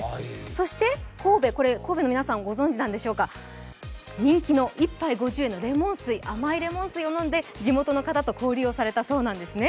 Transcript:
そして神戸、神戸の皆さん、ご存じなんでしょうか人気の１杯５０円の甘いレモン水を飲んで地元の方と交流をされたそうなんですね。